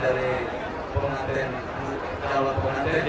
dan dari kekuatan pihak keluarga dari